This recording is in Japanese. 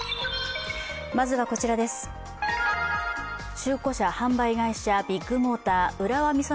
中古車販売会社ビッグモーター浦和美園